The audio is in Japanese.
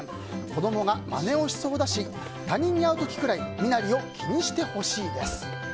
子供がまねをしそうだし他人に会う時ぐらい身なりを気にしてほしいです。